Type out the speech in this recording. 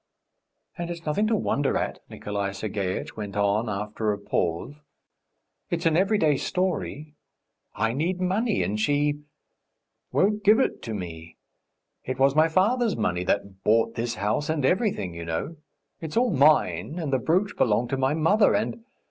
"And it's nothing to wonder at," Nikolay Sergeitch went on after a pause. "It's an everyday story! I need money, and she ... won't give it to me. It was my father's money that bought this house and everything, you know! It's all mine, and the brooch belonged to my mother, and